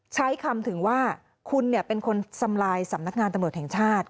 ใช้คำถึงว่าคุณเป็นคนทำลายสำนักงานตำรวจแห่งชาติ